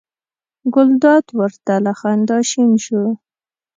ګلداد ور ته له خندا شین شو.